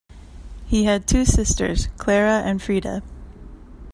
He had two sisters, Clara and Frieda.